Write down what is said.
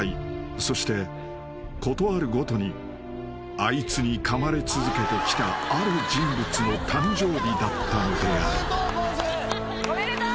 ［そして事あるごとにあいつにかまれ続けてきたある人物の誕生日だったのである］